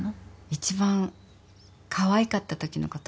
一番かわいかったときのこと思い出す。